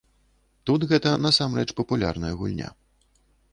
Тут гэта насамрэч папулярная гульня.